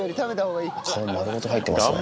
顔丸ごと入ってますね。